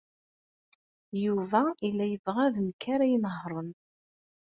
Yuba yella yebɣa d nekk ara inehṛen.